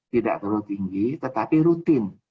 tidak terlalu tinggi tetapi rutin